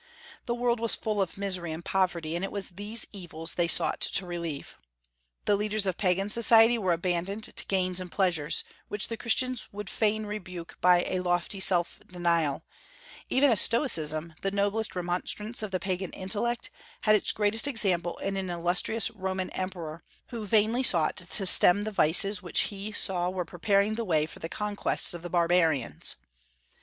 The world was full of misery and poverty, and it was these evils they sought to relieve. The leaders of Pagan society were abandoned to gains and pleasures, which the Christians would fain rebuke by a lofty self denial, even as Stoicism, the noblest remonstrance of the Pagan intellect, had its greatest example in an illustrious Roman emperor, who vainly sought to stem the vices which he saw were preparing the way for the conquests of the barbarians.